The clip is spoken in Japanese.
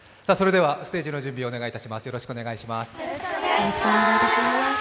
ではステージの準備お願いします。